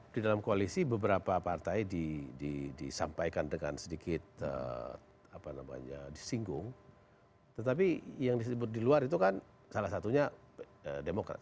di dalam koalisi beberapa partai disampaikan dengan sedikit apa namanya disinggung tetapi yang disebut di luar itu kan salah satunya demokrat